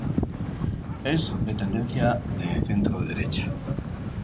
Es de tendencia de centro-derecha.